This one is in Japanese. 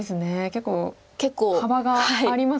結構幅がありますね。